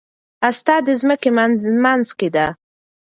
هسته د ځمکې منځ کې ده.